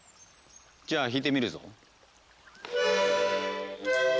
じゃあ弾いてみるぞ。